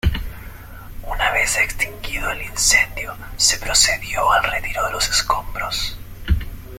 Una vez extinguido el incendio, se procedió al retiro de los escombros.